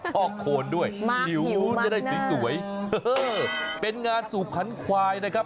อกโคนด้วยหิวจะได้สวยเออเป็นงานสู่ขันควายนะครับ